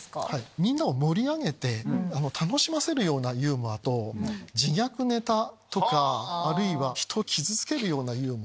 みんなを盛り上げて楽しませるユーモアと自虐ネタとかあるいは人を傷つけるようなユーモア。